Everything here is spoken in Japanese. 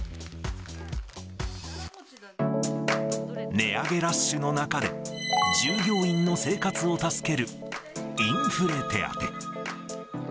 値上げラッシュの中で、従業員の生活を助けるインフレ手当。